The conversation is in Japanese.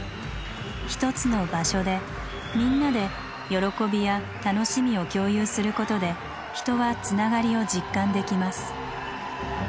１つの「場所」で「みんな」で喜びや楽しみを共有することで人は「つながり」を実感できます。